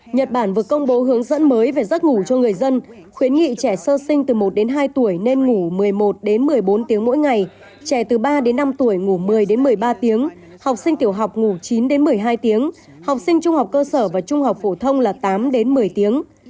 nhật bản vừa công bố hướng dẫn mới về giấc ngủ cho người dân khuyến nghị trẻ sơ sinh từ một đến hai tuổi nên ngủ một mươi một đến một mươi bốn tiếng mỗi ngày trẻ từ ba đến năm tuổi ngủ một mươi đến một mươi ba tiếng học sinh tiểu học ngủ chín đến một mươi hai tiếng học sinh trung học cơ sở và trung học phổ thông là tám đến một mươi tiếng